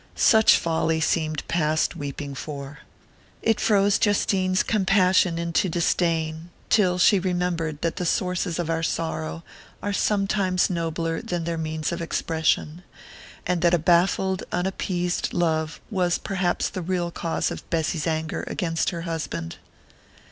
Such folly seemed past weeping for it froze Justine's compassion into disdain, till she remembered that the sources of our sorrow are sometimes nobler than their means of expression, and that a baffled unappeased love was perhaps the real cause of Bessy's anger against her husband.